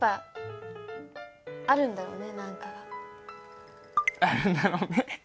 あるんだろうね。